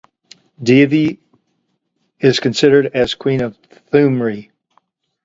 Devi is considered as "Queen of Thumri".